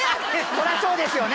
そりゃそうですよね。